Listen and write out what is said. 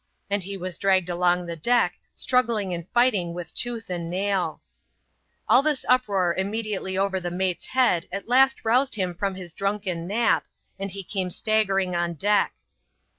" and he was dragged along the deck, struggling and fighting with tooth and naiL All this uproar immediately over the mate's head at last roused him from his drunken nap, and he came staggering' on deck.